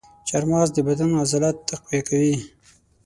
چارمغز د بدن عضلات تقویه کوي.